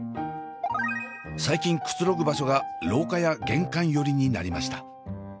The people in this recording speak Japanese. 最近くつろぐ場所が廊下や玄関寄りになりました。